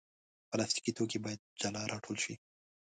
پلاستيکي توکي باید جلا راټول شي.